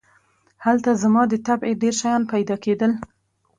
هلته زما د طبعې ډېر شیان پیدا کېدل.